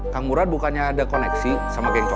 kang murad bukannya ada koneksi sama geng copet